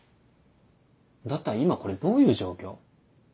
だったら今これどういう状況？